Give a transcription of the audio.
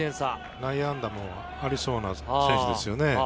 内野安打もありそうな選手ですよね。